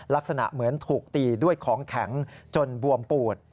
ลักษณะเหมือนถูกตีด้วยของแข็งจนบวมปูด